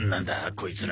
こいつら。